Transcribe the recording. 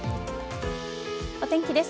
お天気です。